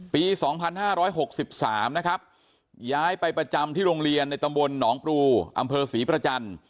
ปี๒๕๖๓ย้ายไปประจำที่โรงเรียนในตำบลหนองปลูอศรีประจันทร์